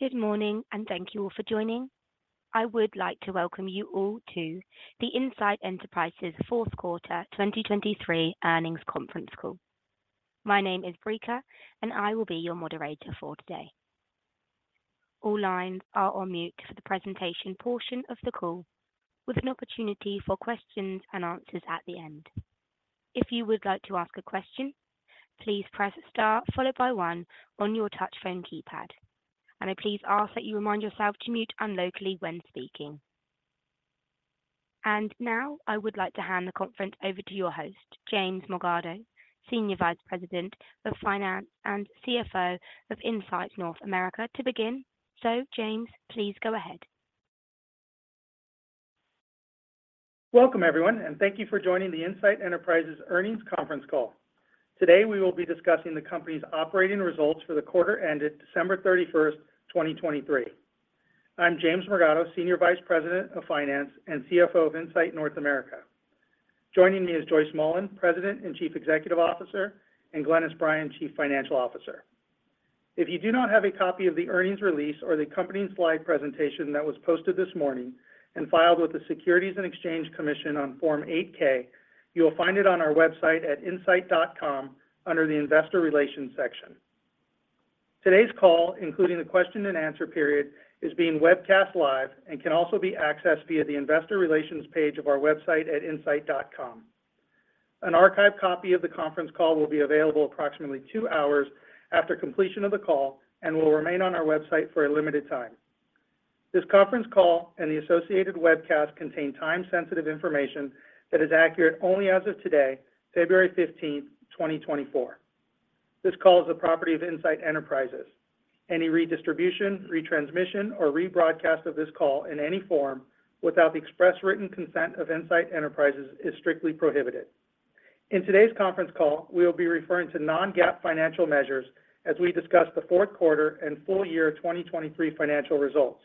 Good morning, and thank you all for joining. I would like to welcome you all to the Insight Enterprises Fourth Quarter 2023 Earnings Conference Call. My name is Brica, and I will be your moderator for today. All lines are on mute for the presentation portion of the call, with an opportunity for questions and answers at the end. If you would like to ask a question, please press Star followed by one on your touchphone keypad. I please ask that you remind yourself to mute locally when speaking. Now, I would like to hand the conference over to your host, James Morgado, Senior Vice President of Finance and CFO of Insight North America, to begin. So, James, please go ahead. Welcome, everyone, and thank you for joining the Insight Enterprises Earnings Conference Call. Today, we will be discussing the company's operating results for the quarter ended December 31, 2023. I'm James Morgado, Senior Vice President of Finance and CFO of Insight North America. Joining me is Joyce Mullen, President and Chief Executive Officer, and Glynis Bryan, Chief Financial Officer. If you do not have a copy of the earnings release or the company's live presentation that was posted this morning and filed with the Securities and Exchange Commission on Form 8-K, you will find it on our website at insight.com under the Investor Relations section. Today's call, including the question and answer period, is being webcast live and can also be accessed via the Investor Relations page of our website at insight.com An archived copy of the conference call will be available approximately 2 hours after completion of the call and will remain on our website for a limited time. This conference call and the associated webcast contain time-sensitive information that is accurate only as of today, February 15th, 2024. This call is the property of Insight Enterprises. Any redistribution, retransmission, or rebroadcast of this call in any form without the express written consent of Insight Enterprises is strictly prohibited. In today's conference call, we will be referring to non-GAAP financial measures as we discuss the fourth quarter and full year financial results.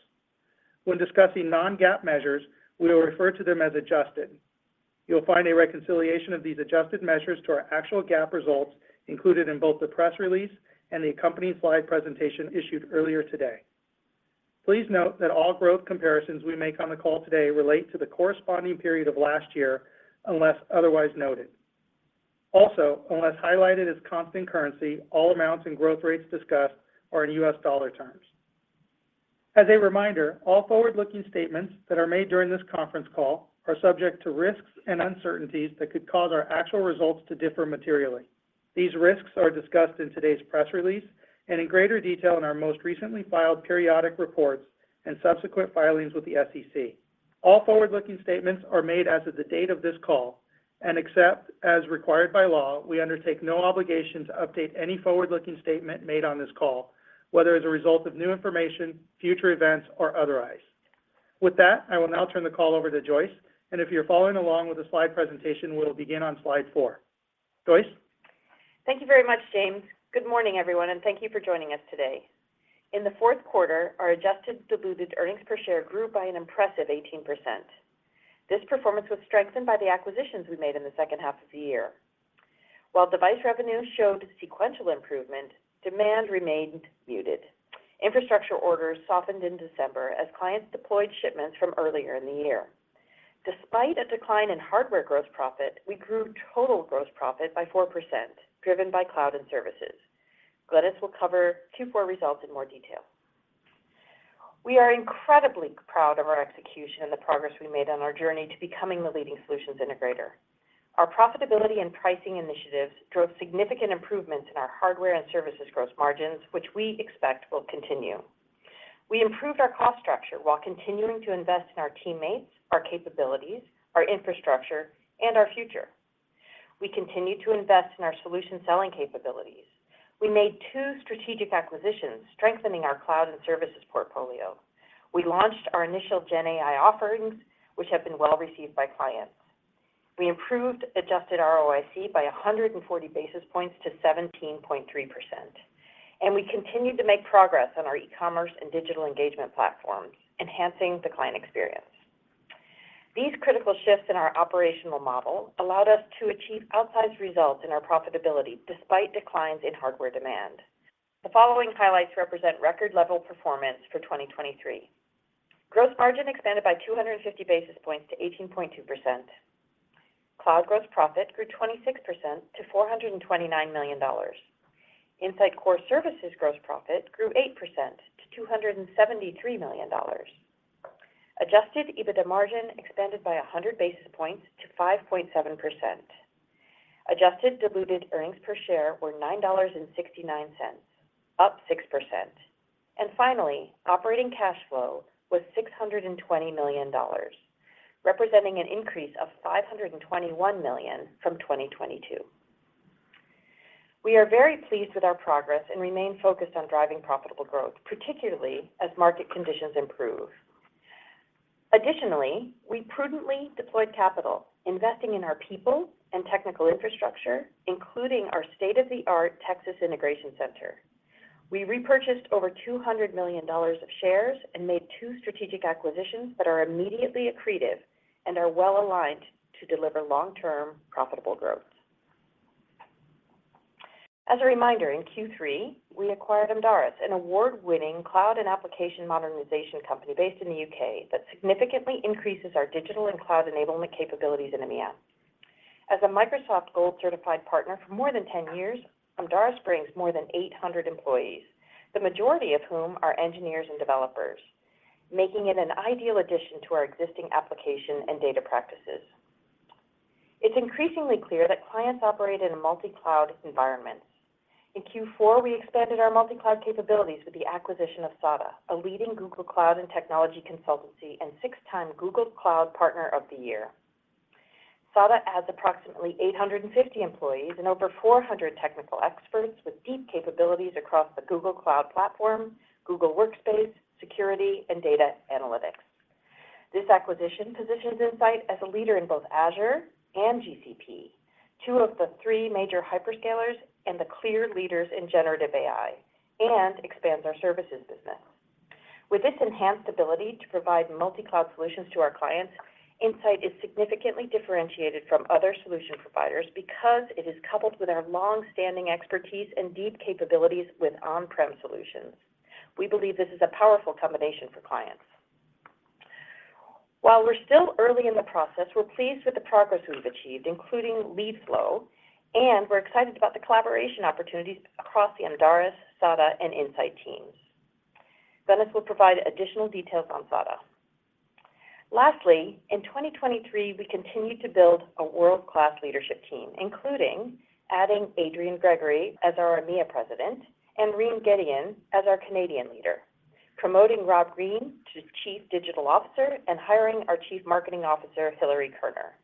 When discussing non-GAAP measures, we will refer to them as adjusted. You'll find a reconciliation of these adjusted measures to our actual GAAP results included in both the press release and the accompanying slide presentation issued earlier today. Please note that all growth comparisons we make on the call today relate to the corresponding period of last year, unless otherwise noted. Also, unless highlighted as constant currency, all amounts and growth rates discussed are in U.S. dollar terms. As a reminder, all forward-looking statements that are made during this conference call are subject to risks and uncertainties that could cause our actual results to differ materially. These risks are discussed in today's press release and in greater detail in our most recently filed periodic reports and subsequent filings with the SEC. All forward-looking statements are made as of the date of this call, and except as required by law, we undertake no obligation to update any forward-looking statement made on this call, whether as a result of new information, future events, or otherwise. With that, I will now turn the call over to Joyce, and if you're following along with the slide presentation, we'll begin on slide 4. Joyce? Thank you very much, James. Good morning, everyone, and thank you for joining us today. In the fourth quarter, our adjusted diluted earnings per share grew by an impressive 18%. This performance was strengthened by the acquisitions we made in the second half of the year. While device revenue showed sequential improvement, demand remained muted. Infrastructure orders softened in December as clients deployed shipments from earlier in the year. Despite a decline in hardware gross profit, we grew total gross profit by 4%, driven by cloud and services. Glynis will cover Q4 results in more detail. We are incredibly proud of our execution and the progress we made on our journey to becoming the leading solutions integrator. Our profitability and pricing initiatives drove significant improvements in our hardware and services gross margins, which we expect will continue. We improved our cost structure while continuing to invest in our teammates, our capabilities, our infrastructure, and our future. We continued to invest in our solution selling capabilities. We made 2 strategic acquisitions, strengthening our cloud and services portfolio. We launched our initial GenAI offerings, which have been well-received by clients. We improved adjusted ROIC by 140 basis points to 17.3%, and we continued to make progress on our e-commerce and digital engagement platforms, enhancing the client experience. These critical shifts in our operational model allowed us to achieve outsized results in our profitability, despite declines in hardware demand. The following highlights represent record-level performance for 2023. Gross margin expanded by 250 basis points to 18.2%. Cloud gross profit grew 26% to $429 million. Insight Core Services gross profit grew 8% to $273 million. Adjusted EBITDA margin expanded by 100 basis points to 5.7%. Adjusted diluted earnings per share were $9.69, up 6%. Finally, operating cash flow was $620 million, representing an increase of $521 million from 2022. We are very pleased with our progress and remain focused on driving profitable growth, particularly as market conditions improve. Additionally, we prudently deployed capital, investing in our people and technical infrastructure, including our state-of-the-art Texas Integration Center. We repurchased over $200 million of shares and made 2 strategic acquisitions that are immediately accretive and are well-aligned to deliver long-term profitable growth.... As a reminder, in Q3, we acquired Amdaris, an award-winning cloud and application modernization company based in the UK, that significantly increases our digital and cloud enablement capabilities in EMEA. As a Microsoft Gold certified partner for more than 10 years, Amdaris brings more than 800 employees, the majority of whom are engineers and developers, making it an ideal addition to our existing application and data practices. It's increasingly clear that clients operate in a multi-cloud environment. In Q4, we expanded our multi-cloud capabilities with the acquisition of SADA, a leading Google Cloud and technology consultancy and 6-time Google Cloud Partner of the Year. SADA has approximately 850 employees and over 400 technical experts with deep capabilities across the Google Cloud platform, Google Workspace, security, and data analytics. This acquisition positions Insight as a leader in both Azure and GCP, 2 of the 3 major hyperscalers and the clear leaders in generative AI, and expands our services business. With this enhanced ability to provide multi-cloud solutions to our clients, Insight is significantly differentiated from other solution providers because it is coupled with our long-standing expertise and deep capabilities with on-prem solutions. We believe this is a powerful combination for clients. While we're still early in the process, we're pleased with the progress we've achieved, including lead flow, and we're excited about the collaboration opportunities across the Amdaris, SADA, and Insight teams. Glynis will provide additional details on SADA. Lastly, in 2023, we continued to build a world-class leadership team, including adding Adrian Gregory as our EMEA President and Reem Gedeon as our Canadian leader, promoting Rob Green to Chief Digital Officer, and hiring our Chief Marketing Officer, Hillary Kerner.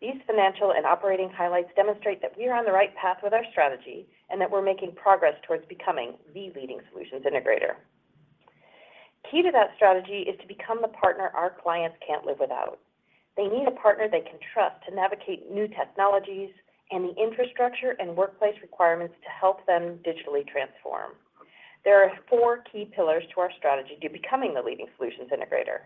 These financial and operating highlights demonstrate that we are on the right path with our strategy and that we're making progress towards becoming the leading solutions integrator. Key to that strategy is to become the partner our clients can't live without. They need a partner they can trust to navigate new technologies and the infrastructure and workplace requirements to help them digitally transform. There are 4 key pillars to our strategy to becoming the leading solutions integrator: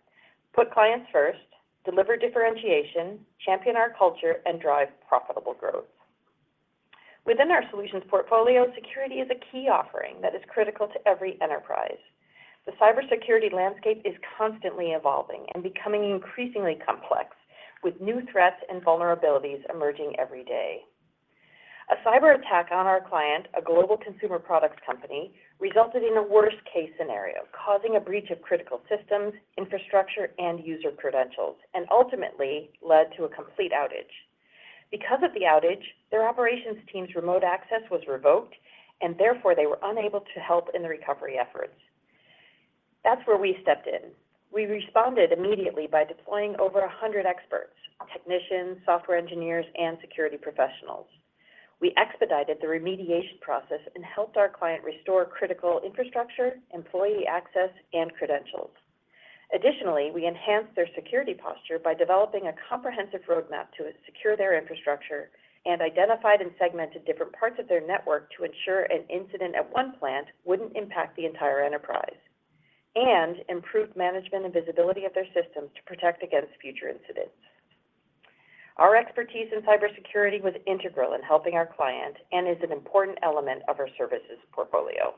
put clients first, deliver differentiation, champion our culture, and drive profitable growth. Within our solutions portfolio, security is a key offering that is critical to every enterprise. The cybersecurity landscape is constantly evolving and becoming increasingly complex, with new threats and vulnerabilities emerging every day. A cyberattack on our client, a global consumer products company, resulted in a worst-case scenario, causing a breach of critical systems, infrastructure, and user credentials, and ultimately led to a complete outage. Because of the outage, their operations team's remote access was revoked, and therefore they were unable to help in the recovery efforts. That's where we stepped in. We responded immediately by deploying over a hundred experts, technicians, software engineers, and security professionals. We expedited the remediation process and helped our client restore critical infrastructure, employee access, and credentials. Additionally, we enhanced their security posture by developing a comprehensive roadmap to secure their infrastructure and identified and segmented different parts of their network to ensure an incident at 1 plant wouldn't impact the entire enterprise, and improved management and visibility of their systems to protect against future incidents. Our expertise in cybersecurity was integral in helping our client and is an important element of our services portfolio.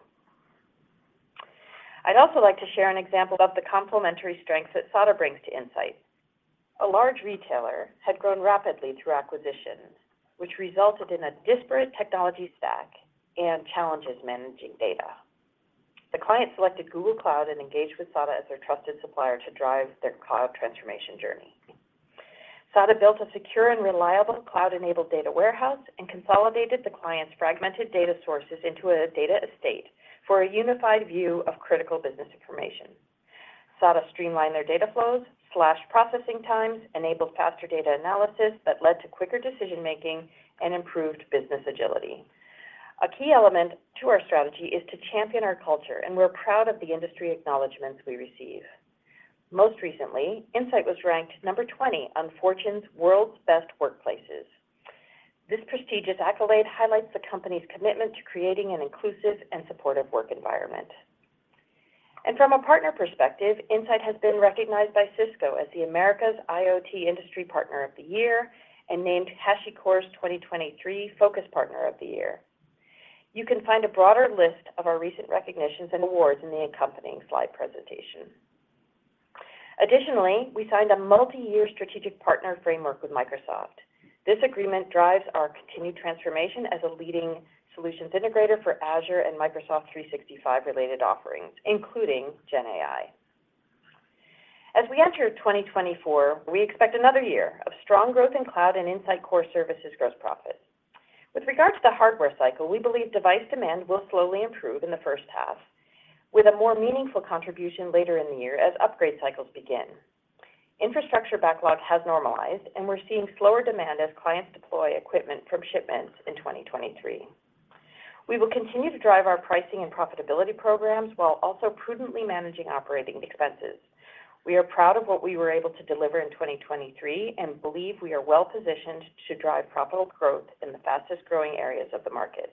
I'd also like to share an example of the complementary strengths that SADA brings to Insight. A large retailer had grown rapidly through acquisitions, which resulted in a disparate technology stack and challenges managing data. The client selected Google Cloud and engaged with SADA as their trusted supplier to drive their cloud transformation journey. SADA built a secure and reliable cloud-enabled data warehouse and consolidated the client's fragmented data sources into a data estate for a unified view of critical business information. SADA streamlined their data flows, slashed processing times, enabled faster data analysis that led to quicker decision-making and improved business agility. A key element to our strategy is to champion our culture, and we're proud of the industry acknowledgments we receive. Most recently, Insight was ranked number 20 on Fortune's World's Best Workplaces. This prestigious accolade highlights the company's commitment to creating an inclusive and supportive work environment. From a partner perspective, Insight has been recognized by Cisco as the Americas IoT Industry Partner of the Year and named HashiCorp's 2023 Focus Partner of the Year. You can find a broader list of our recent recognitions and awards in the accompanying slide presentation. Additionally, we signed a multi-year strategic partner framework with Microsoft. This agreement drives our continued transformation as a leading solutions integrator for Azure and Microsoft 365 related offerings, including GenAI. As we enter 2024, we expect another year of strong growth in cloud and Insight Core Services gross profit. With regard to the hardware cycle, we believe device demand will slowly improve in the first half, with a more meaningful contribution later in the year as upgrade cycles begin. Infrastructure backlog has normalized, and we're seeing slower demand as clients deploy equipment from shipments in 2023. We will continue to drive our pricing and profitability programs while also prudently managing operating expenses. We are proud of what we were able to deliver in 2023 and believe we are well-positioned to drive profitable growth in the fastest-growing areas of the market.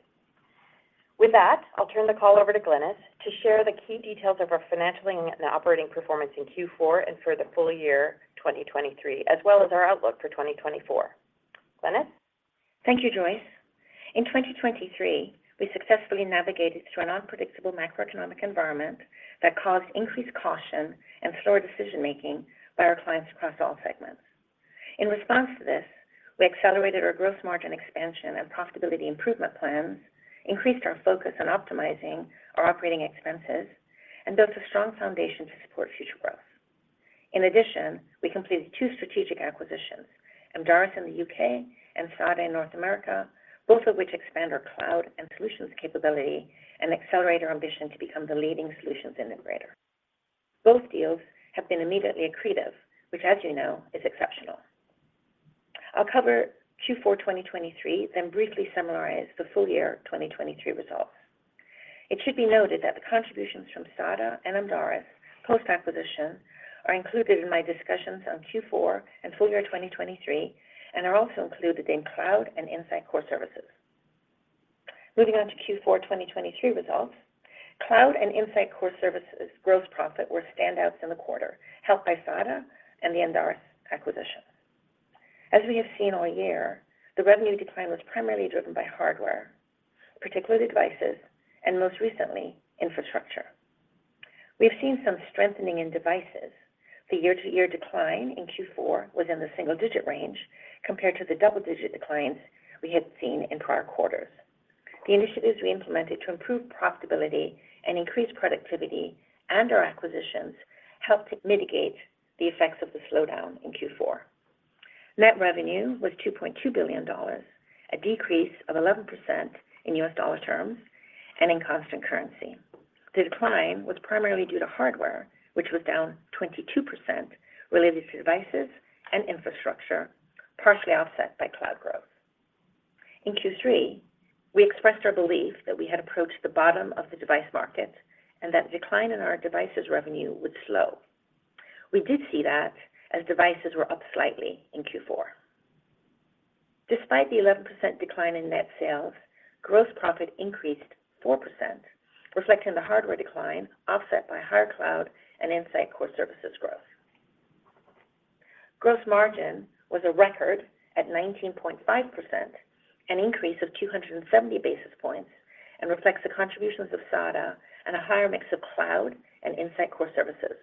With that, I'll turn the call over to Glynis to share the key details of our financial and operating performance in Q4 and for the full year 2023, as well as our outlook for 2024. Glynis? Thank you, Joyce. In 2023, we successfully navigated through an unpredictable macroeconomic environment that caused increased caution and slower decision-making by our clients across all segments. In response to this, we accelerated our gross margin expansion and profitability improvement plans, increased our focus on optimizing our operating expenses, and built a strong foundation to support future growth. In addition, we completed 2 strategic acquisitions, Amdaris in the UK and SADA in North America, both of which expand our cloud and solutions capability and accelerate our ambition to become the leading solutions integrator. Both deals have been immediately accretive, which, as you know, is exceptional. I'll cover Q4 2023, then briefly summarize the full year 2023 results. It should be noted that the contributions from SADA and Amdaris post-acquisition are included in my discussions on Q4 and full year 2023, and are also included in Cloud and Insight Core Services. Moving on to Q4 2023 results, Cloud and Insight Core Services gross profit were standouts in the quarter, helped by SADA and the Amdaris acquisition. As we have seen all year, the revenue decline was primarily driven by hardware, particularly devices, and most recently, infrastructure. We've seen some strengthening in devices. The year-to-year decline in Q4 was in the single-digit range compared to the double-digit declines we had seen in prior quarters. The initiatives we implemented to improve profitability and increase productivity and our acquisitions helped to mitigate the effects of the slowdown in Q4. Net revenue was $2.2 billion, a decrease of 11% in US dollar terms and in constant currency. The decline was primarily due to hardware, which was down 22% related to devices and infrastructure, partially offset by cloud growth. In Q3, we expressed our belief that we had approached the bottom of the device market and that decline in our devices revenue would slow. We did see that as devices were up slightly in Q4. Despite the 11% decline in net sales, gross profit increased 4%, reflecting the hardware decline, offset by higher cloud and Insight Core Services growth. Gross margin was a record at 19.5%, an increase of 270 basis points, and reflects the contributions of SADA and a higher mix of cloud and Insight Core Services.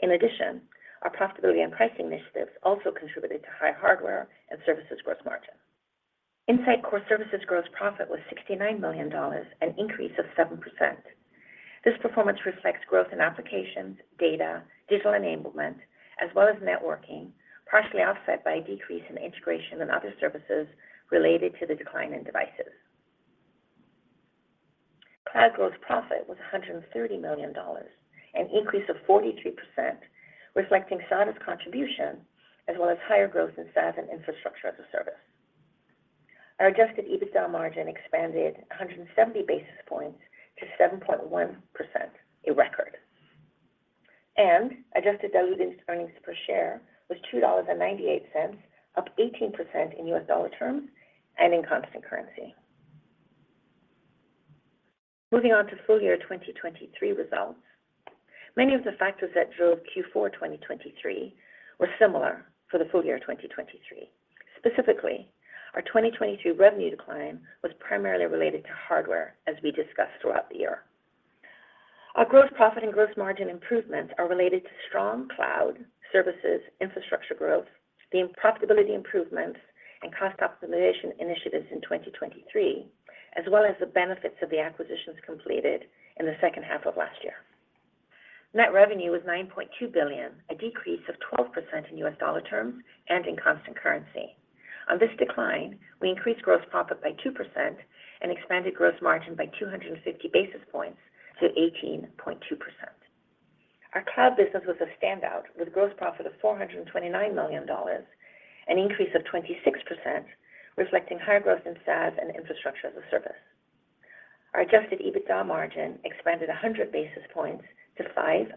In addition, our profitability and pricing initiatives also contributed to high hardware and services gross margin. Insight Core Services gross profit was $69 million, an increase of 7%. This performance reflects growth in applications, data, digital enablement, as well as networking, partially offset by a decrease in integration and other services related to the decline in devices. Cloud gross profit was $130 million, an increase of 43%, reflecting SADA's contribution, as well as higher growth in SaaS and Infrastructure as a Service. Our adjusted EBITDA margin expanded 170 basis points to 7.1%, a record. And adjusted diluted earnings per share was $2.98, up 18% in U.S. dollar terms and in constant currency. Moving on to full-year 2023 results. Many of the factors that drove Q4 2023 were similar for the full year 2023. Specifically, our 2022 revenue decline was primarily related to hardware, as we discussed throughout the year. Our gross profit and gross margin improvements are related to strong cloud, services, infrastructure growth, the profitability improvements, and cost optimization initiatives in 2023, as well as the benefits of the acquisitions completed in the second half of last year. Net revenue was $9.2 billion, a 12% decrease in U.S. dollar terms and in constant currency. On this decline, we increased gross profit by 2% and expanded gross margin by 250 basis points to 18.2%. Our cloud business was a standout, with gross profit of $429 million, an increase of 26%, reflecting higher growth in SaaS and Infrastructure as a Service. Our adjusted EBITDA margin expanded 100 basis points to 5.7%,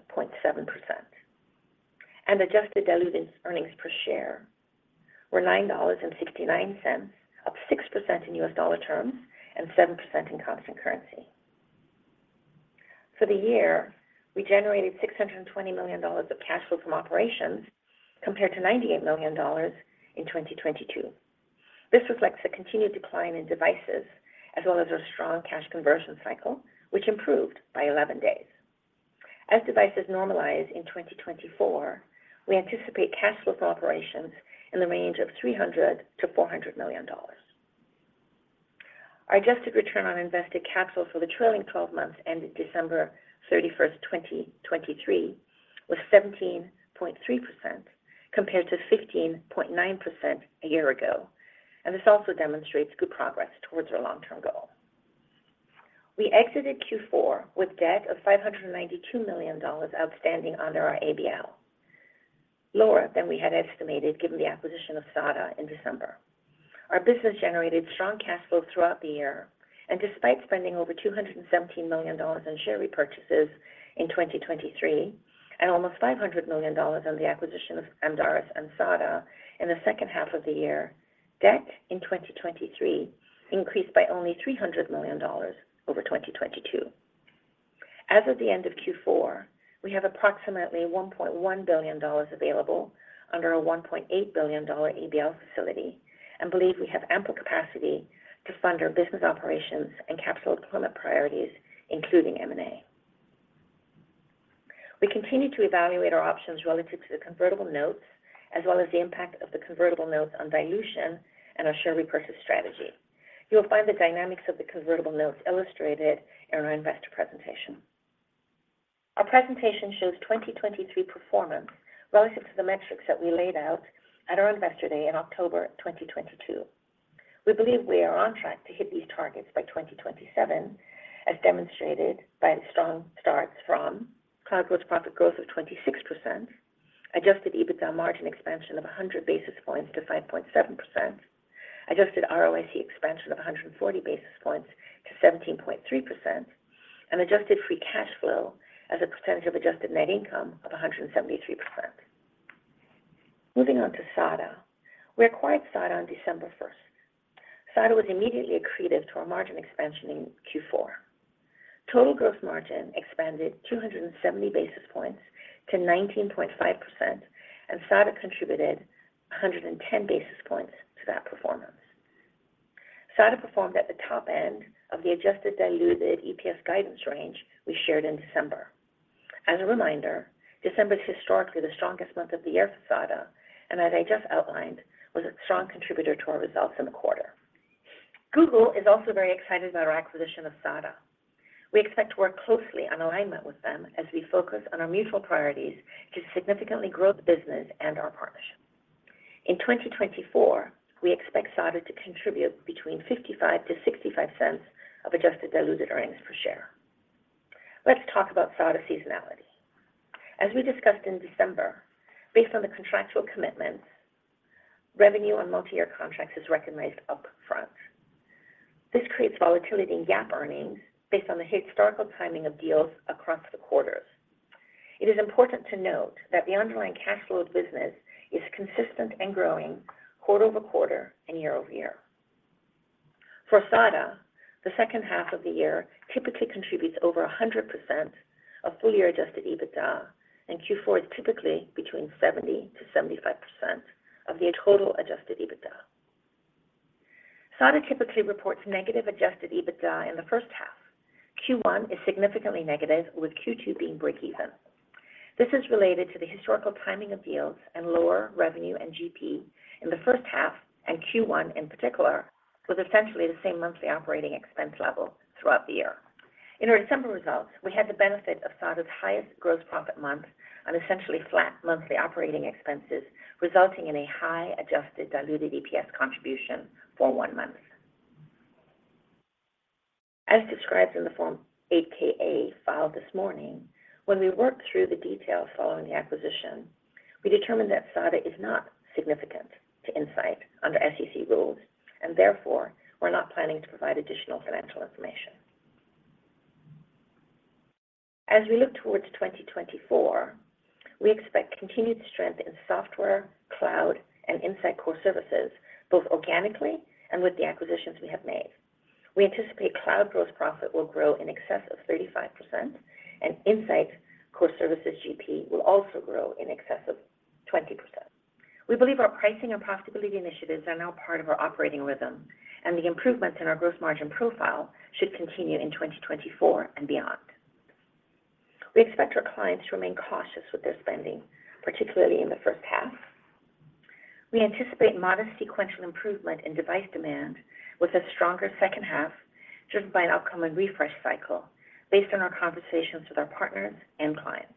and adjusted diluted earnings per share were $9.69, up 6% in U.S. dollar terms and 7% in constant currency. For the year, we generated $620 million of cash flow from operations, compared to $98 million in 2022. This reflects a continued decline in devices as well as a strong cash conversion cycle, which improved by 11 days. As devices normalize in 2024, we anticipate cash flow from operations in the range of $300 million-$400 million. Our adjusted return on invested capital for the trailing twelve months ended December 31, 2023, was 17.3%, compared to 15.9% a year ago, and this also demonstrates good progress towards our long-term goal. We exited Q4 with debt of $592 million outstanding under our ABL, lower than we had estimated, given the acquisition of SADA in December. Our business generated strong cash flow throughout the year, and despite spending over $217 million on share repurchases in 2023 and almost $500 million on the acquisition of Amdaris and SADA in the second half of the year, debt in 2023 increased by only $300 million over 2022. As of the end of Q4, we have approximately $1.1 billion available under our $1.8 billion ABL facility, and believe we have ample capacity to fund our business operations and capital deployment priorities, including M&A. We continue to evaluate our options relative to the convertible notes, as well as the impact of the convertible notes on dilution and our share repurchase strategy. You will find the dynamics of the convertible notes illustrated in our investor presentation. Our presentation shows 2023 performance relative to the metrics that we laid out at our Investor Day in October 2022. We believe we are on track to hit these targets by 2027, as demonstrated by the strong starts from cloud gross profit growth of 26%, Adjusted EBITDA margin expansion of 100 basis points to 5.7%, Adjusted ROIC expansion of 140 basis points to 17.3%, and adjusted free cash flow as a percentage of adjusted net income of 173%. Moving on to SADA. We acquired SADA on December 1. SADA was immediately accretive to our margin expansion in Q4. Total gross margin expanded 270 basis points to 19.5%, and SADA contributed 110 basis points to that performance. SADA performed at the top end of the adjusted diluted EPS guidance range we shared in December. As a reminder, December is historically the strongest month of the year for SADA, and as I just outlined, was a strong contributor to our results in the quarter. Google is also very excited about our acquisition of SADA. We expect to work closely on alignment with them as we focus on our mutual priorities to significantly grow the business and our partnership. In 2024, we expect SADA to contribute between $0.55-$0.65 of adjusted diluted earnings per share. Let's talk about SADA seasonality. As we discussed in December, based on the contractual commitments, revenue on multi-year contracts is recognized upfront. This creates volatility in GAAP earnings based on the historical timing of deals across the quarters. It is important to note that the underlying cash flow of the business is consistent and growing quarter over quarter and year over year. For SADA, the second half of the year typically contributes over 100% of full-year Adjusted EBITDA, and Q4 is typically between 70%-75% of the total Adjusted EBITDA. SADA typically reports negative Adjusted EBITDA in the first half. Q1 is significantly negative, with Q2 being break even. This is related to the historical timing of deals and lower revenue and GP in the first half, and Q1 in particular, with essentially the same monthly operating expense level throughout the year. In our December results, we had the benefit of SADA's highest gross profit month on essentially flat monthly operating expenses, resulting in a high adjusted Diluted EPS contribution for 1 month. As described in the Form 8-K filed this morning, when we worked through the details following the acquisition, we determined that SADA is not significant to Insight under SEC rules, and therefore, we're not planning to provide additional financial information. As we look towards 2024, we expect continued strength in software, cloud, and Insight Core Services, both organically and with the acquisitions we have made. We anticipate cloud gross profit will grow in excess of 35%, and Insight Core Services GP will also grow in excess of 20%. We believe our pricing and profitability initiatives are now part of our operating rhythm, and the improvements in our gross margin profile should continue in 2024 and beyond. We expect our clients to remain cautious with their spending, particularly in the first half. We anticipate modest sequential improvement in device demand with a stronger second half, driven by an upcoming refresh cycle based on our conversations with our partners and clients.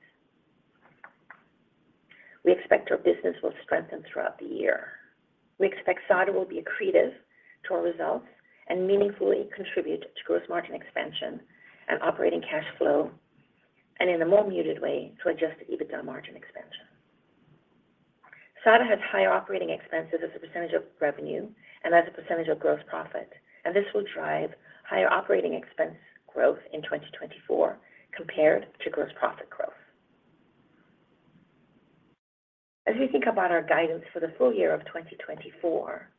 We expect our business will strengthen throughout the year. We expect SADA will be accretive to our results and meaningfully contribute to gross margin expansion and operating cash flow, and in a more muted way, to Adjusted EBITDA margin expansion. SADA has higher operating expenses as a percentage of revenue and as a percentage of gross profit, and this will drive higher operating expense growth in 2024 compared to gross profit growth. As we think about our guidance for the full year of 2024,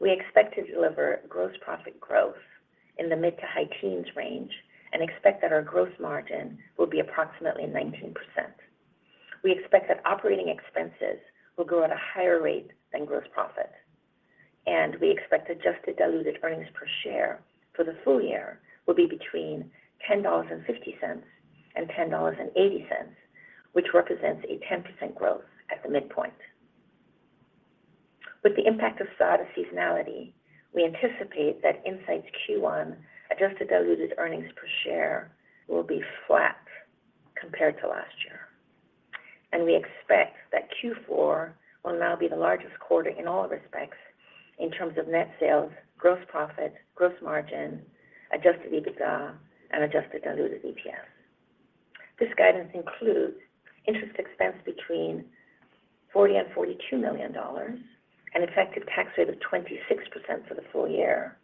we expect to deliver gross profit growth in the mid- to high-teens range and expect that our gross margin will be approximately 19%. We expect that operating expenses will grow at a higher rate than gross profit, and we expect adjusted diluted earnings per share for the full year will be between $10.50 and $10.80, which represents a 10% growth at the midpoint. With the impact of SADA seasonality, we anticipate that Insight's Q1 adjusted diluted earnings per share will be flat compared to last year, and we expect that Q4 will now be the largest quarter in all respects in terms of net sales, gross profit, gross margin, Adjusted EBITDA, and adjusted diluted EPS. This guidance includes interest expense between $40 million and $42 million, an effective tax rate of 26% for the full year,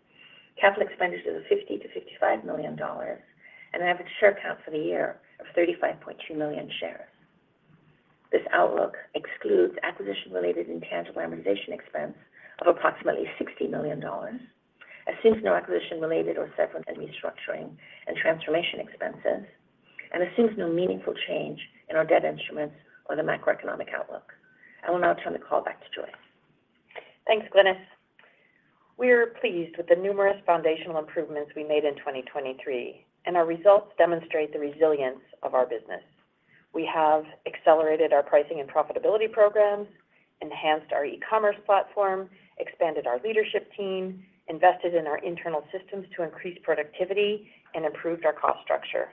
capital expenditures of $50 million-$55 million, and an average share count for the year of 35.2 million shares. This outlook excludes acquisition-related intangible amortization expense of approximately $60 million, assumes no acquisition-related or severance and restructuring and transformation expenses, and assumes no meaningful change in our debt instruments or the macroeconomic outlook. I will now turn the call back to Joyce. Thanks, Glynis. We are pleased with the numerous foundational improvements we made in 2023, and our results demonstrate the resilience of our business. We have accelerated our pricing and profitability programs, enhanced our e-commerce platform, expanded our leadership team, invested in our internal systems to increase productivity, and improved our cost structure.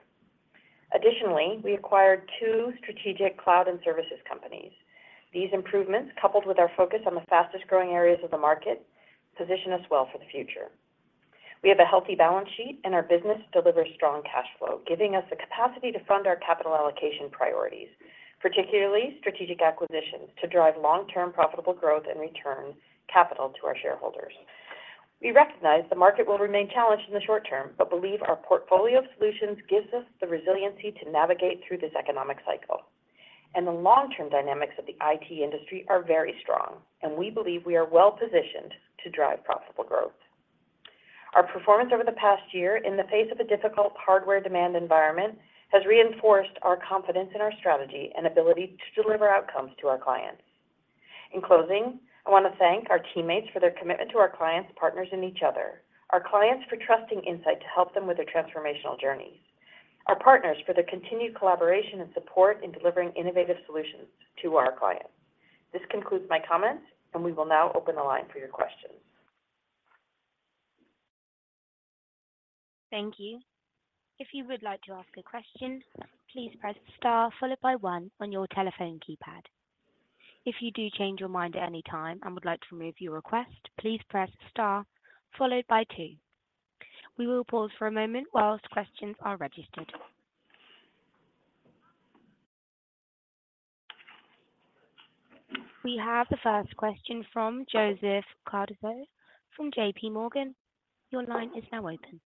Additionally, we acquired 2 strategic cloud and services companies. These improvements, coupled with our focus on the fastest-growing areas of the market, position us well for the future. We have a healthy balance sheet, and our business delivers strong cash flow, giving us the capacity to fund our capital allocation priorities, particularly strategic acquisitions, to drive long-term profitable growth and return capital to our shareholders. We recognize the market will remain challenged in the short term, but believe our portfolio of solutions gives us the resiliency to navigate through this economic cycle. The long-term dynamics of the IT industry are very strong, and we believe we are well positioned to drive profitable growth. Our performance over the past year in the face of a difficult hardware demand environment has reinforced our confidence in our strategy and ability to deliver outcomes to our clients. In closing, I want to thank our teammates for their commitment to our clients, partners, and each other, our clients for trusting Insight to help them with their transformational journeys, our partners for their continued collaboration and support in delivering innovative solutions to our clients. This concludes my comments, and we will now open the line for your questions. Thank you. If you would like to ask a question, please press star followed by one on your telephone keypad. If you do change your mind at any time and would like to remove your request, please press star followed by two. We will pause for a moment while questions are registered. We have the first question from Joseph Cardoso from JP Morgan. Your line is now open.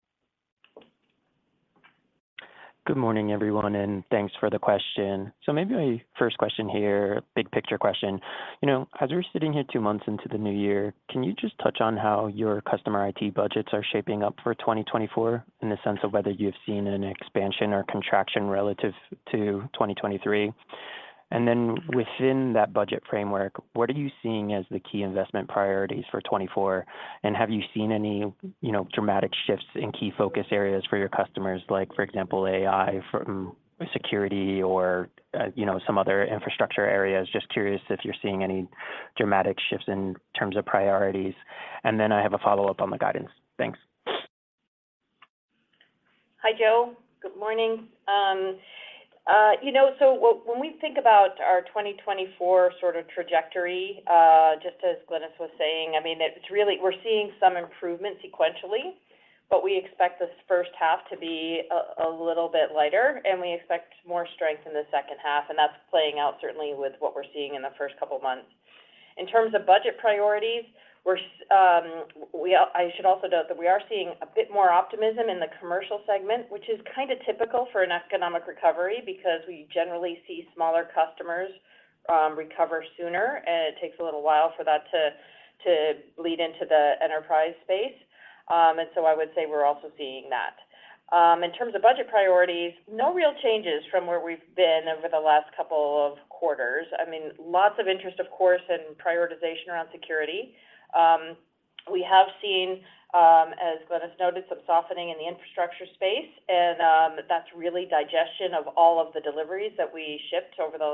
Good morning, everyone, and thanks for the question. So maybe my first question here, big picture question: You know, as we're sitting here 2 months into the new year, can you just touch on how your customer IT budgets are shaping up for 2024, in the sense of whether you've seen an expansion or contraction relative to 2023? And then within that budget framework, what are you seeing as the key investment priorities for 2024? And have you seen any, you know, dramatic shifts in key focus areas for your customers, like, for example, AI from security or, you know, some other infrastructure areas? Just curious if you're seeing any dramatic shifts in terms of priorities. And then I have a follow-up on the guidance. Thanks. Hi, Joe. Good morning. You know, so when we think about our 2024 sort of trajectory, just as Glynis was saying, I mean, it's really. We're seeing some improvement sequentially, but we expect this first half to be a little bit lighter, and we expect more strength in the second half, and that's playing out certainly with what we're seeing in the first couple of months. In terms of budget priorities, we're. I should also note that we are seeing a bit more optimism in the commercial segment, which is kind of typical for an economic recovery because we generally see smaller customers recover sooner, and it takes a little while for that to bleed into the enterprise space. And so I would say we're also seeing that. In terms of budget priorities, no real changes from where we've been over the last couple of quarters. I mean, lots of interest, of course, and prioritization around security. We have seen, as Glynis noted, some softening in the infrastructure space, and that's really digestion of all of the deliveries that we shipped over the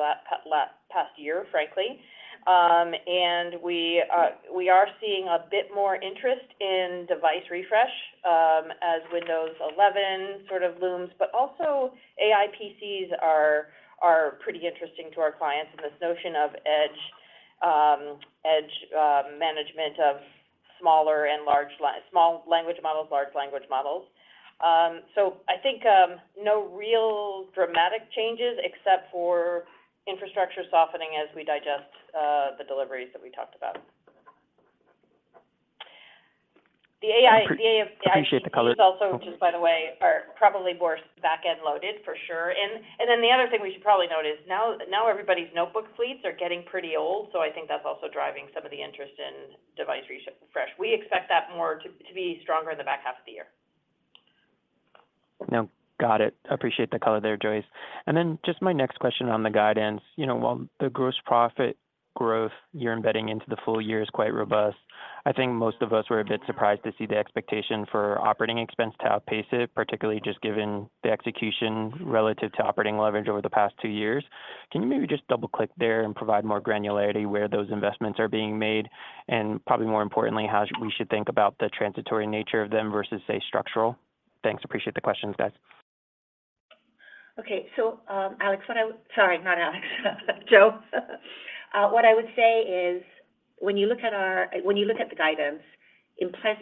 past year, frankly. And we are seeing a bit more interest in device refresh, as Windows 11 sort of looms. But also AI PCs are pretty interesting to our clients, and this notion of edge management of small language models, large language models. So I think no real dramatic changes except for infrastructure softening as we digest the deliveries that we talked about. The AI- Appreciate the color. Also, just by the way, are probably more back-end loaded for sure. And then the other thing we should probably note is now everybody's notebook fleets are getting pretty old, so I think that's also driving some of the interest in device refresh. We expect that more to be stronger in the back half of the year. No, got it. Appreciate the color there, Joyce. And then just my next question on the guidance. You know, while the gross profit growth you're embedding into the full year is quite robust, I think most of us were a bit surprised to see the expectation for operating expense to outpace it, particularly just given the execution relative to operating leverage over the past 2 years. Can you maybe just double-click there and provide more granularity where those investments are being made, and probably more importantly, how we should think about the transitory nature of them versus, say, structural? Thanks. Appreciate the questions, guys. Okay. So, Alex, what I would say is, sorry, not Alex, Joe. What I would say is, when you look at the guidance,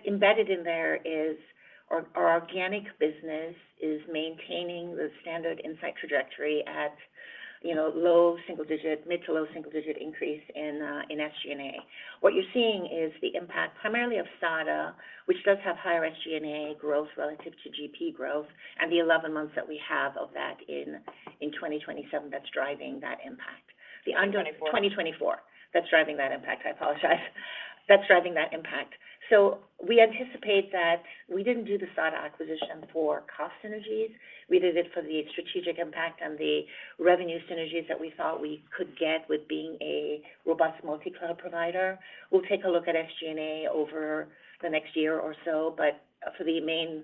embedded in there is our organic business maintaining the standard Insight trajectory at, you know, low single digit, mid- to low-single-digit increase in SG&A. What you're seeing is the impact primarily of SADA, which does have higher SG&A growth relative to GP growth and the 11 months that we have of that in 2027 that's driving that impact. 2024. 2024, that's driving that impact. I apologize.... that's driving that impact. So we anticipate that we didn't do the SADA acquisition for cost synergies, we did it for the strategic impact and the revenue synergies that we thought we could get with being a robust multi-cloud provider. We'll take a look at SG&A over the next year or so, but for the main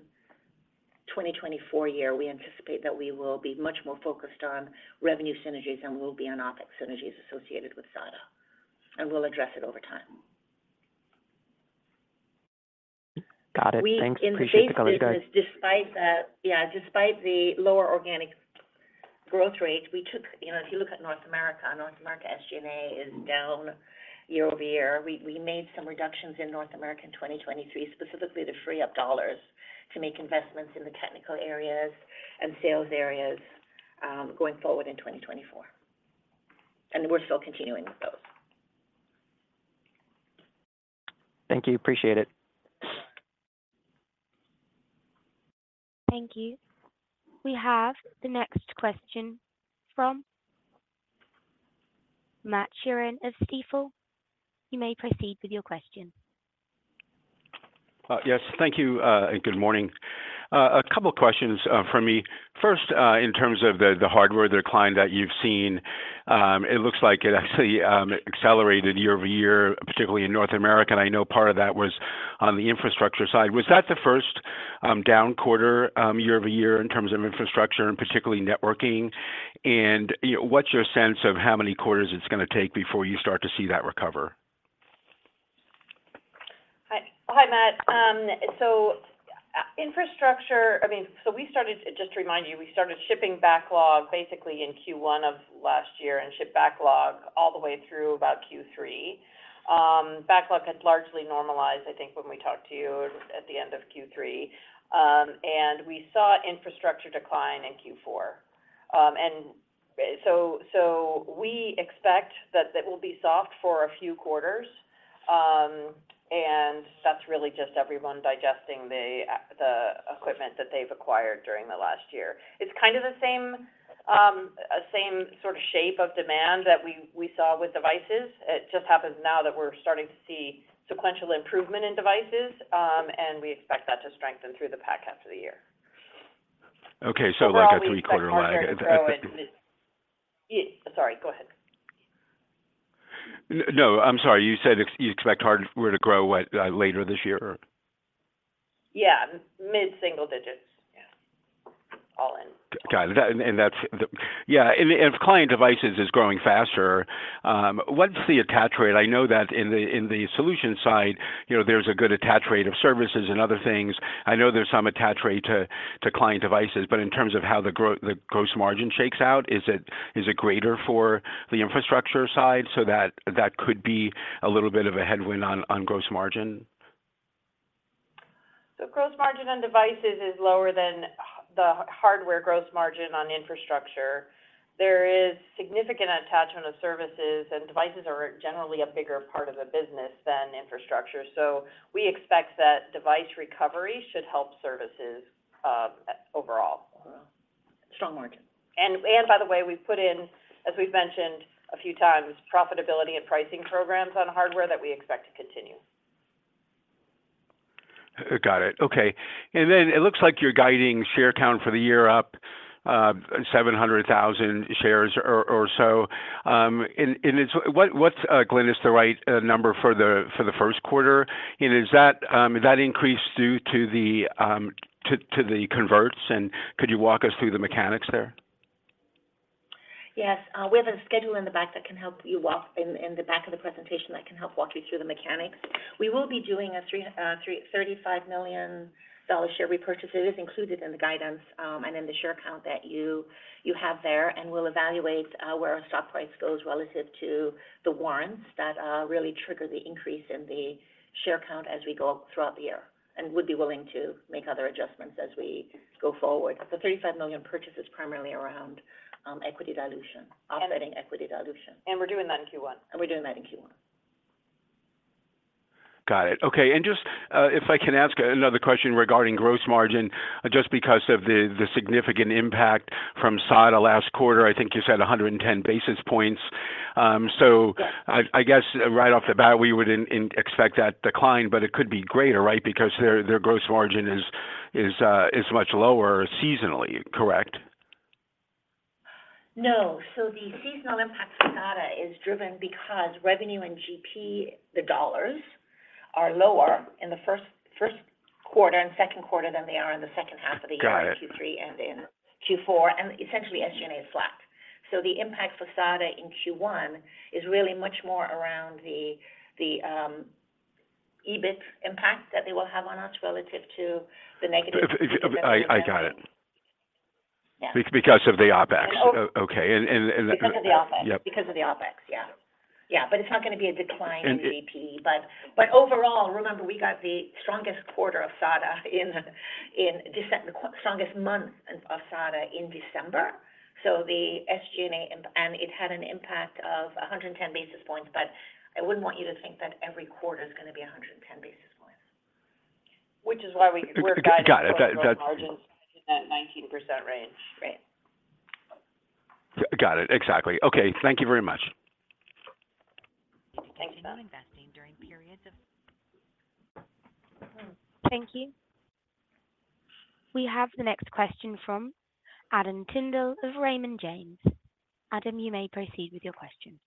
2024 year, we anticipate that we will be much more focused on revenue synergies than we'll be on OpEx synergies associated with SADA, and we'll address it over time. Got it. Thanks. We- Appreciate the color, guys. Despite that, despite the lower organic growth rate, we took... You know, if you look at North America, North America SG&A is down year-over-year. We made some reductions in North America in 2023, specifically to free up dollars to make investments in the technical areas and sales areas, going forward in 2024, and we're still continuing with those. Thank you. Appreciate it. Thank you. We have the next question from Matt Sheerin of Stifel. You may proceed with your question. Yes. Thank you, and good morning. A couple questions from me. First, in terms of the hardware decline that you've seen, it looks like it actually accelerated year-over-year, particularly in North America, and I know part of that was on the infrastructure side. Was that the first down quarter year-over-year in terms of infrastructure and particularly networking? And, you know, what's your sense of how many quarters it's gonna take before you start to see that recover? Hi. Hi, Matt. So, I mean, so we started, just to remind you, we started shipping backlog basically in Q1 of last year and shipped backlog all the way through about Q3. Backlog had largely normalized, I think, when we talked to you at the end of Q3, and we saw infrastructure decline in Q4. And so, so we expect that it will be soft for a few quarters, and that's really just everyone digesting the the equipment that they've acquired during the last year. It's kind of the same, same sort of shape of demand that we, we saw with devices. It just happens now that we're starting to see sequential improvement in devices, and we expect that to strengthen through the back half of the year. Okay, so like a 3-quarter lag? Sorry, go ahead. No, I'm sorry. You said you expect hardware to grow, what, later this year or? Yeah, mid-single digits. Yeah. All in. Got it. And that's the... Yeah, and if client devices is growing faster, what's the attach rate? I know that in the solution side, you know, there's a good attach rate of services and other things. I know there's some attach rate to client devices, but in terms of how the gross margin shakes out, is it greater for the infrastructure side so that that could be a little bit of a headwind on gross margin? Gross margin on devices is lower than the hardware gross margin on infrastructure. There is significant attachment of services, and devices are generally a bigger part of the business than infrastructure, so we expect that device recovery should help services overall. Strong margin. And, by the way, we've put in, as we've mentioned a few times, profitability and pricing programs on hardware that we expect to continue. Got it. Okay. And then it looks like you're guiding share count for the year up 700,000 shares or so. And it's... What, Glynis, is the right number for the first quarter? And is that increase due to the converts? And could you walk us through the mechanics there? Yes, we have a schedule in the back of the presentation that can help walk you through the mechanics. We will be doing a $335 million share repurchase. It is included in the guidance, and in the share count that you have there, and we'll evaluate where our stock price goes relative to the warrants that really trigger the increase in the share count as we go throughout the year and would be willing to make other adjustments as we go forward. The $335 million purchase is primarily around equity dilution- And- Offsetting equity dilution. We're doing that in Q1. We're doing that in Q1. Got it. Okay, and just, if I can ask another question regarding gross margin, just because of the, the significant impact from SADA last quarter, I think you said 110 basis points. So- Yes... I guess right off the bat, we would expect that decline, but it could be greater, right? Because their gross margin is much lower seasonally, correct? No. So the seasonal impact for SADA is driven because revenue and GP, the dollars, are lower in the first quarter and second quarter than they are in the second half of the year- Got it... in Q3 and in Q4, and essentially, SG&A is flat. So the impact for SADA in Q1 is really much more around the EBIT impact that they will have on us relative to the negative- I got it. Yeah. Because of the OpEx. Oh- Okay- Because of the OpEx. Yep. Because of the OpEx, yeah. Yeah, but it's not going to be a decline in the GP. And- But overall, remember, we got the strongest quarter of SADA in the strongest month of SADA in December, so the SG&A impact. And it had an impact of 110 basis points, but I wouldn't want you to think that every quarter is going to be 110.... which is why we're guiding- Got it. Gross margins in that 19% range. Right. Got it. Exactly. Okay. Thank you very much. Thanks, Bob. Continue investing during periods of- Thank you. We have the next question from Adam Tyndall of Raymond James. Adam, you may proceed with your question.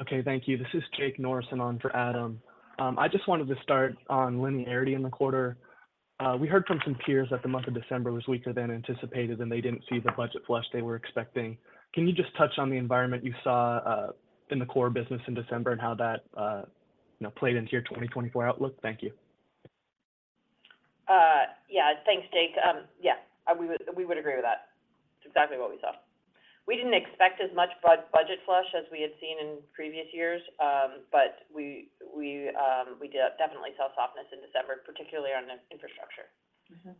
Okay, thank you. This is Jake Norris on for Adam. I just wanted to start on linearity in the quarter. We heard from some peers that the month of December was weaker than anticipated, and they didn't see the budget flush they were expecting. Can you just touch on the environment you saw in the core business in December and how that you know played into your 2024 outlook? Thank you. Yeah. Thanks, Jake. Yeah, we would agree with that. It's exactly what we saw. We didn't expect as much budget flush as we had seen in previous years, but we did definitely saw softness in December, particularly on the infrastructure. Mm-hmm.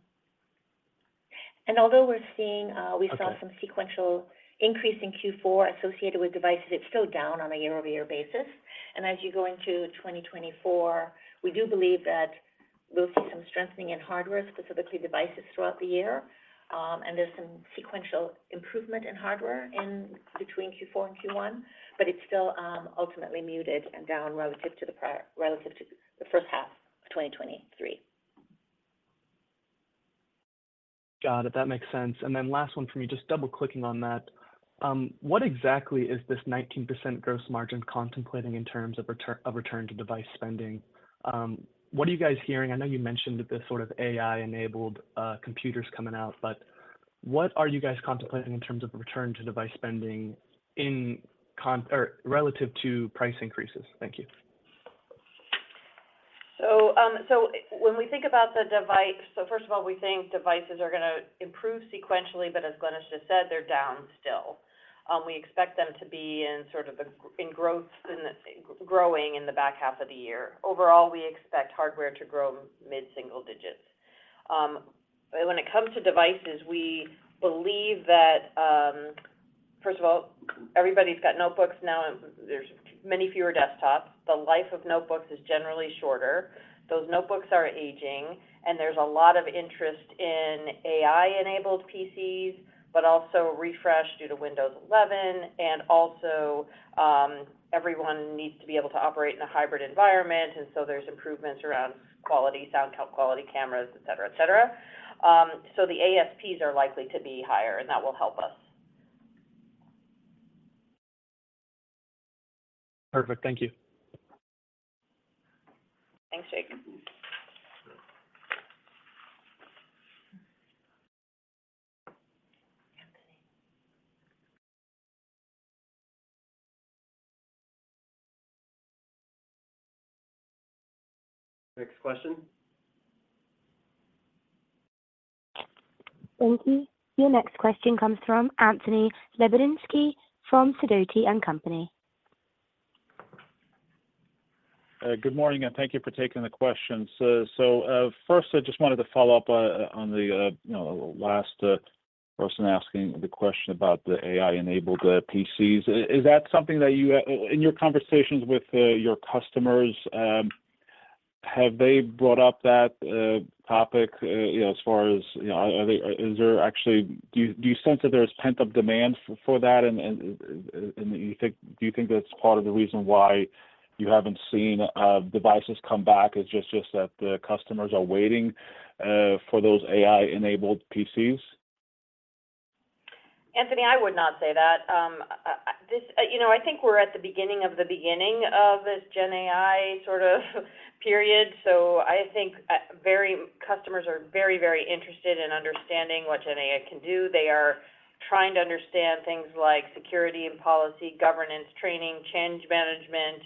And although we're seeing, Okay... we saw some sequential increase in Q4 associated with devices, it's still down on a year-over-year basis. As you go into 2024, we do believe that we'll see some strengthening in hardware, specifically devices throughout the year. There's some sequential improvement in hardware in between Q4 and Q1, but it's still ultimately muted and down relative to the first half of 2023. Got it. That makes sense. And then last one for me, just double-clicking on that. What exactly is this 19% gross margin contemplating in terms of return to device spending? What are you guys hearing? I know you mentioned the sort of AI-enabled computers coming out, but what are you guys contemplating in terms of return to device spending or relative to price increases? Thank you. When we think about the device, first of all, we think devices are gonna improve sequentially, but as Glynis just said, they're down still. We expect them to be growing in the back half of the year. Overall, we expect hardware to grow mid-single digits. But when it comes to devices, we believe that, first of all, everybody's got notebooks now, and there's many fewer desktops. The life of notebooks is generally shorter. Those notebooks are aging, and there's a lot of interest in AI-enabled PCs, but also refresh due to Windows 11, and also, everyone needs to be able to operate in a hybrid environment, and so there's improvements around quality, sound quality, cameras, et cetera, et cetera. So the ASPs are likely to be higher, and that will help us. Perfect. Thank you. Thanks, Jake. Anthony. Next question? Thank you. Your next question comes from Anthony Lebiedzinski from Sidoti & Company. Good morning, and thank you for taking the questions. So first, I just wanted to follow up on the, you know, last person asking the question about the AI-enabled PCs. Is that something that you in your conversations with your customers have they brought up that topic, you know, as far as, you know, are they-- is there actually... Do you do you sense that there's pent-up demand for that? And you think-- do you think that's part of the reason why you haven't seen devices come back is just that the customers are waiting for those AI-enabled PCs? Anthony, I would not say that. You know, I think we're at the beginning of the beginning of this Gen AI sort of period. So I think, customers are very, very interested in understanding what Gen AI can do. They are trying to understand things like security and policy, governance, training, change management,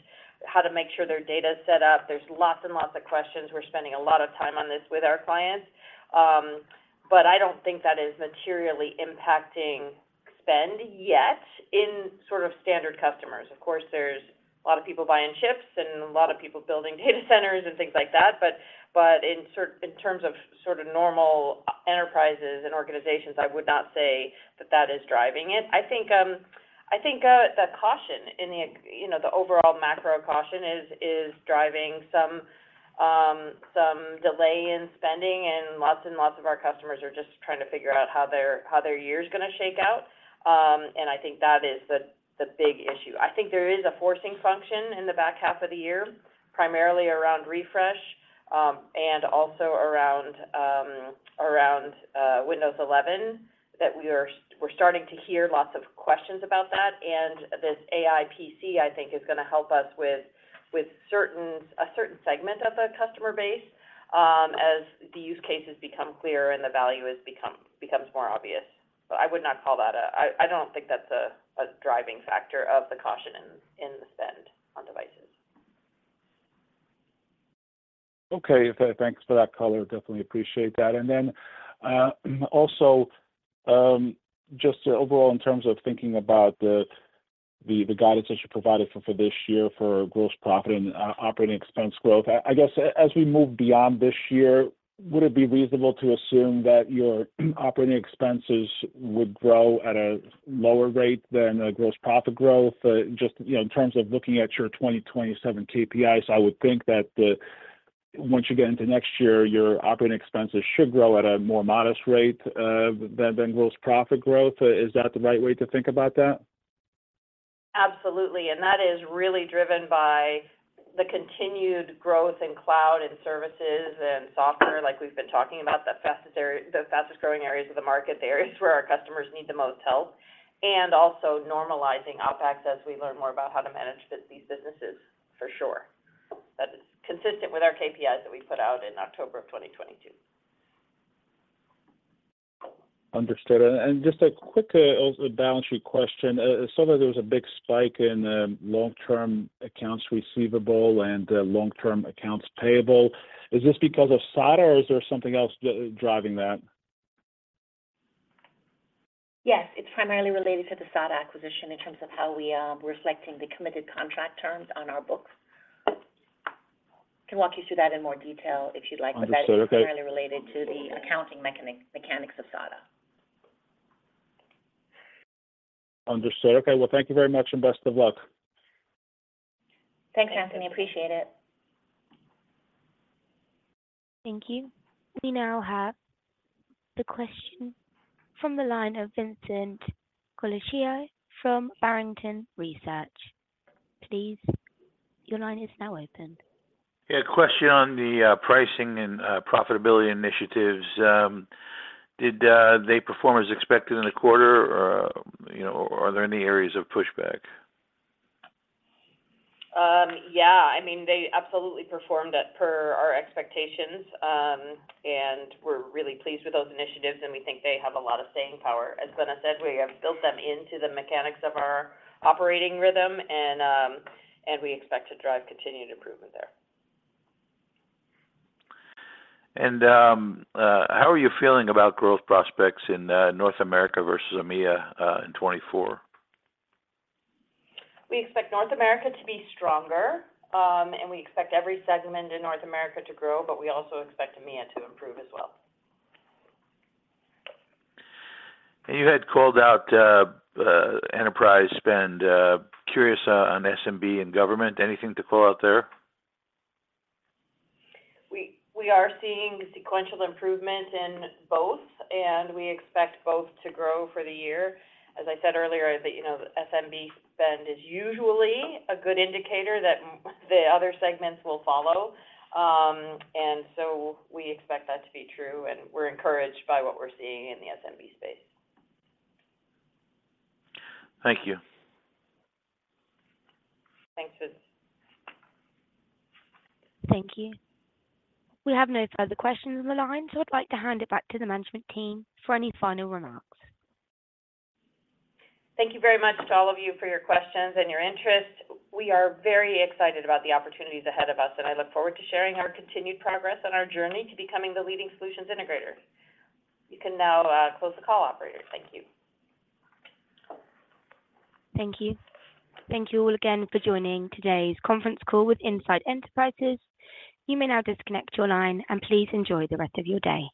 how to make sure their data is set up. There's lots and lots of questions. We're spending a lot of time on this with our clients. But I don't think that is materially impacting spend yet in sort of standard customers. Of course, there's a lot of people buying chips and a lot of people building data centers and things like that, but in terms of sort of normal enterprises and organizations, I would not say that that is driving it. I think the caution in the, you know, the overall macro caution is driving some delay in spending, and lots and lots of our customers are just trying to figure out how their year's gonna shake out. And I think that is the big issue. I think there is a forcing function in the back half of the year, primarily around refresh, and also around Windows 11, that we're starting to hear lots of questions about that. And this AI PC, I think, is gonna help us with a certain segment of the customer base, as the use cases become clearer and the value becomes more obvious. But I would not call that a... I don't think that's a driving factor of the caution in the spend on devices. Okay. Thanks for that color. Definitely appreciate that. And then, also, just overall in terms of thinking about the guidance that you provided for this year for gross profit and operating expense growth, I guess as we move beyond this year, would it be reasonable to assume that your operating expenses would grow at a lower rate than the gross profit growth? Just, you know, in terms of looking at your 2027 KPIs, I would think that once you get into next year, your operating expenses should grow at a more modest rate than gross profit growth. Is that the right way to think about that? Absolutely, and that is really driven by the continued growth in cloud and services and software, like we've been talking about, the fastest area, the fastest growing areas of the market, the areas where our customers need the most help. And also normalizing OpEx as we learn more about how to manage these businesses, for sure. That is consistent with our KPIs that we put out in October of 2022. Understood. And just a quick balance sheet question. I saw that there was a big spike in long-term accounts receivable and long-term accounts payable. Is this because of SADA, or is there something else that's driving that? Yes, it's primarily related to the SADA acquisition in terms of how we are reflecting the committed contract terms on our books. I can walk you through that in more detail if you'd like- Understood, okay. But that is primarily related to the accounting mechanics of SADA. Understood. Okay. Well, thank you very much, and best of luck. Thanks, Anthony. Appreciate it. Thank you. We now have the question from the line of Vincent Colicchio from Barrington Research. Please, your line is now open. Yeah, a question on the pricing and profitability initiatives. Did they perform as expected in the quarter or, you know, are there any areas of pushback? Yeah, I mean, they absolutely performed at per our expectations. And we're really pleased with those initiatives, and we think they have a lot of staying power. As Suma said, we have built them into the mechanics of our operating rhythm, and we expect to drive continued improvement there. How are you feeling about growth prospects in North America versus EMEA in 2024? We expect North America to be stronger, and we expect every segment in North America to grow, but we also expect EMEA to improve as well. You had called out enterprise spend. Curious on SMB and government, anything to call out there? We are seeing sequential improvement in both, and we expect both to grow for the year. As I said earlier, that, you know, the SMB spend is usually a good indicator that the other segments will follow. And so we expect that to be true, and we're encouraged by what we're seeing in the SMB space. Thank you. Thanks, Vince. Thank you. We have no further questions on the line, so I'd like to hand it back to the management team for any final remarks. Thank you very much to all of you for your questions and your interest. We are very excited about the opportunities ahead of us, and I look forward to sharing our continued progress on our journey to becoming the leading Solutions Integrator. You can now close the call, operator. Thank you. Thank you. Thank you all again for joining today's conference call with Insight Enterprises. You may now disconnect your line, and please enjoy the rest of your day.